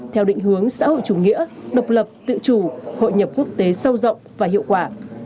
theo định hướng xã hội chủ nghĩa độc lập tự chủ hội nhập quốc tế sâu rộng và hiệu quả